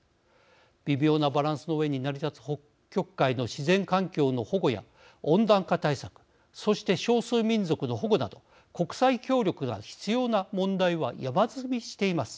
微妙なバランスの上に成り立つ北極海の自然環境の保護や温暖化対策そして少数民族の保護など国際協力が必要な問題は山積みしています。